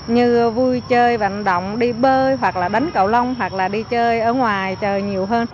như vui chơi vận động đi bơi hoặc là bánh cậu long hoặc là đi chơi ở ngoài trời nhiều hơn